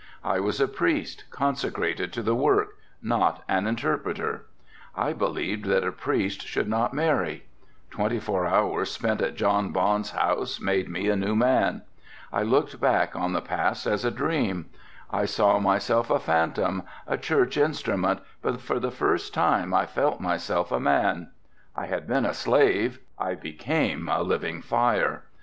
I was a priest consecrated to the work, not an interpreter. I believed that a priest should not marry. Twenty four hours spent at John Bond's house made me a new man. I looked back on the past as a dream. I saw myself a phantom, a church instrument, but for the first time I felt myself a man. I had been a slave, I became a living fire.